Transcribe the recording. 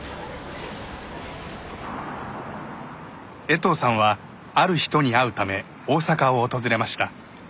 衛藤さんはある人に会うため大阪を訪れました。